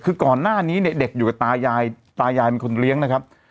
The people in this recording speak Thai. คือก่อนหน้านี้เนี่ยเด็กอยู่กับตายายตายายเป็นคนเลี้ยงนะครับ